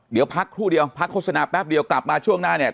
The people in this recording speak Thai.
เดี๋ยวพักครู่เดียวพักโฆษณาแป๊บเดียวกลับมาช่วงหน้าเนี่ย